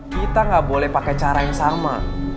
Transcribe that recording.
kita nggak boleh pakai cara yang sama